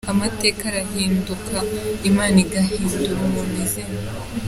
Amateka arahinduka, Imana igahindurira umuntu izina.